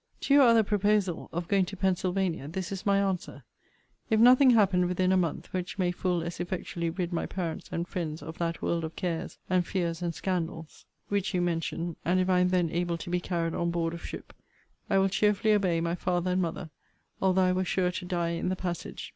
To your other proposal, of going to Pensylvania; this is my answer If nothing happen within a month which may full as effectually rid my parents and friends of that world of cares, and fears, and scandals, which you mention, and if I am then able to be carried on board of ship, I will cheerfully obey my father and mother, although I were sure to die in the passage.